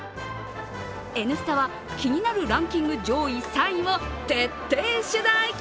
「Ｎスタ」は気になるランキング上位３位を徹底取材！